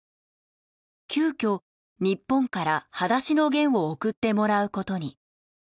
急きょ日本から『はだしのゲン』を送ってもらうことに。